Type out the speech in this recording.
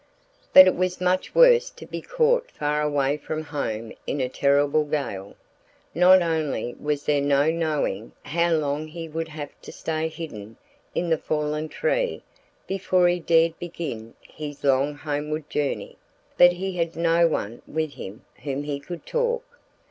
But it was much worse to be caught far away from home in a terrible gale. Not only was there no knowing how long he would have to stay hidden in the fallen tree before he dared begin his long homeward journey, but he had no one with whom he could talk.